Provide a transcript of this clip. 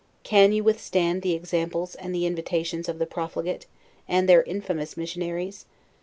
Can you withstand the examples, and the invitations, of the profligate, and their infamous missionaries?